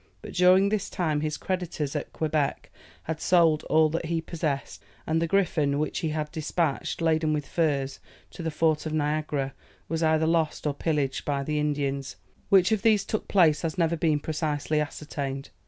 But during this time his creditors at Quebec had sold all that he possessed, and the Griffon, which he had despatched, laden with furs, to the fort of Niagara, was either lost or pillaged by the Indians; which of these took place has never been precisely ascertained.